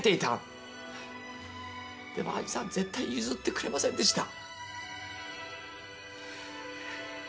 でも兄さん絶対に譲ってくれませんでした。ね？